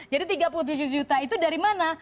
jadi tiga puluh tujuh juta itu dari mana